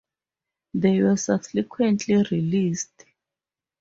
They were subsequently released.